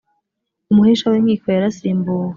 umuhesha w inkiko yarasimbuwe